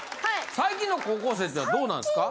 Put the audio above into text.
最近の高校生ってどうなんですか？